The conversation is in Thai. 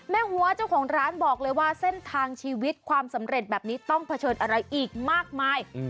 หัวเจ้าของร้านบอกเลยว่าเส้นทางชีวิตความสำเร็จแบบนี้ต้องเผชิญอะไรอีกมากมาย